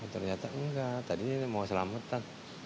ternyata enggak tadinya mau selamatan